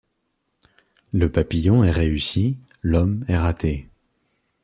Le papillon est réussi, l’homme est raté.